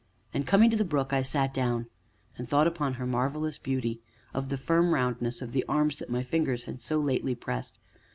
And coming to the brook, I sat down, and thought upon her marvellous beauty, of the firm roundness of the arms that my fingers had so lately pressed.